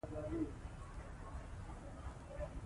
کاري حافظه ستونزې حل کولو کې مرسته کوي.